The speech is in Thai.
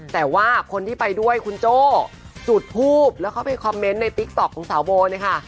แต่ว่าคนที่ไปด้วยคุณโจ้จุดทูปแล้วเข้าไปคอมเมนต์ในติ๊กต๊อกของสาวโบเนี่ยค่ะ